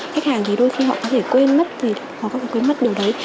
khách hàng thì đôi khi họ có thể quên mất thì họ có quên mất điều đấy